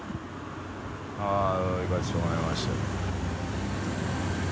△行かせてもらいましたよ。